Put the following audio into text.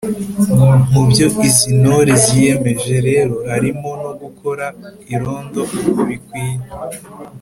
Mu byo izi ntore ziyemeje rero harimo no gukora irondo uko bikwiye